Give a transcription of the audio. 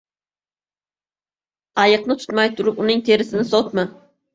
• Ayiqni tutmay turib uning terisini sotma.